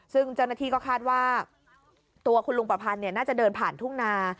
ซึ่งเจ้าหน้าที่ก็คาดว่าตัวคุณลุงประพันธ์น่าจะเดินผ่านทุ่งนา